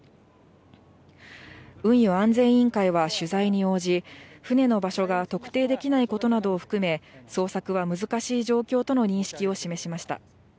運輸安全委員会は取材に応じ、船の場所が特定できないことなどを含め、捜索は難しい状況との認識を示しました。